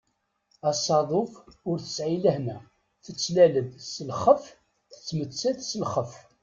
Asaḍuf ur tesεi lehna, tettlal-d s lxeff, tettmettat s lxeff.